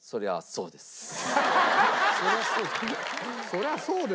そりゃそうだ。